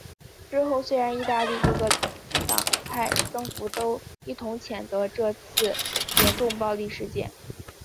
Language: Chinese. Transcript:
之后虽然意大利各个党派政府都一同谴责这次的严重暴力事件。